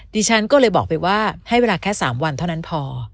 ดิฉันก็เลยบอกไปว่าให้เวลาแค่๓วันเท่านั้นพอ